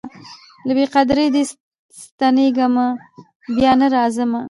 له بې قدریه دي ستنېږمه بیا نه راځمه